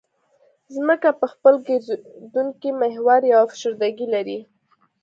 ځمکه په خپل ګرځېدونکي محور یوه فشردګي لري